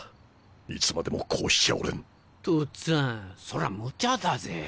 いつまでもこうしちゃおれん。とっつぁんそりゃむちゃだぜ。